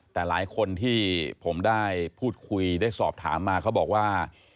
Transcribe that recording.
แต่หลายคนที่ผมได้พูดคุยได้สอบถามมาเขาบอกว่า